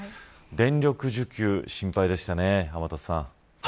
電力需給心配でしたね、天達さん。